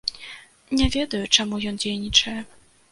Не ведаю, чаму ён дзейнічае.